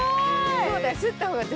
そうだよ。